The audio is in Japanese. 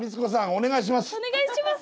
お願いします。